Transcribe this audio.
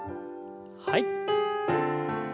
はい。